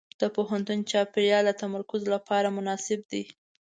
د پوهنتون چاپېریال د تمرکز لپاره مناسب دی.